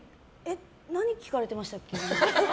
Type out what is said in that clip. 何を聞かれてましたっけ？